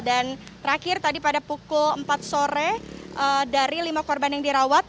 dan terakhir tadi pada pukul empat sore dari lima korban yang dirawat